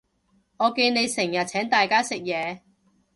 我見你成日請大家食嘢